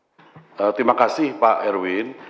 terima kasih pak erwin